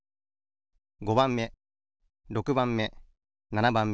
５ばんめ６ばんめ７ばんめ。